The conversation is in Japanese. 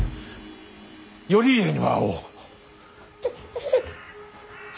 頼家には会おう。